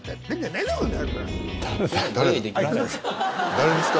「誰ですか？」